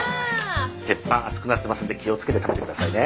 鉄板熱くなってますんで気を付けて食べて下さいね。